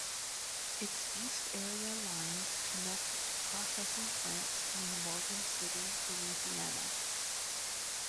Its East Area lines connect to processing plants near Morgan City, Louisiana.